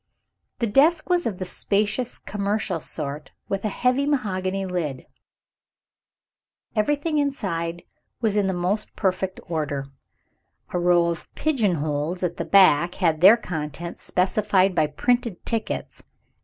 The desk was of the spacious commercial sort, with a heavy mahogany lid. Everything inside was in the most perfect order. A row of "pigeon holes" at the back had their contents specified by printed tickets.